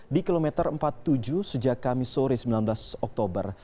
di kilometer empat puluh tujuh sejak kamis sore sembilan belas oktober